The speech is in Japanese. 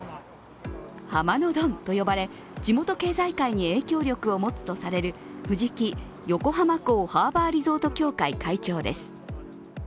更に、助っととして駆けつけたのがハマのドンと呼ばれ、地元経済界に影響力を持つとされる藤木横浜港ハーバーリゾート協会会長です。